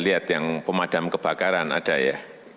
tadi saya lihat yang pemadam kebakaran ada ya